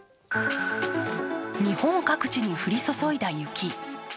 日本各地に降り注いだ雪。